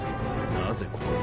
なぜここに？